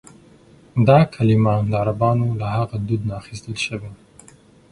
دا کلیمه د عربانو له هغه دود نه اخیستل شوې.